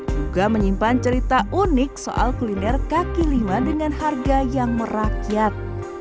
juga menyimpan cerita unik soal kuliner kaki lima dengan harga yang merakyat